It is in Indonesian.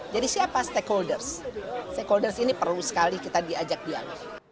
jadi siapa stakeholders stakeholders ini perlu sekali kita diajak dialog